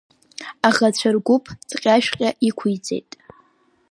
Аӷацәа ргәыԥ цҟьа-шәҟьа иқәиҵеит.